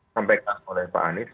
sampaikan oleh pak anies